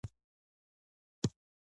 کاربوهایډریټ بدن ته انرژي ورکوي